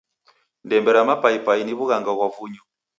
Ndembe ra mapaipai ni w'ughanga ghwa vunyu.